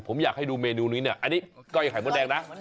ผมอยากให้ดูเมนูนี้เนี่ยอันนี้ก้อยไข่มดแดงนะ